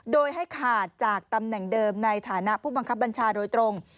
โดยให้ขาดจากตำแหน่งเดิมในฐานะผู้บังคับบัญชาโดยตรง